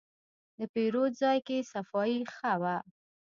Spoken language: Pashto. د پیرود ځای کې صفایي ښه وه.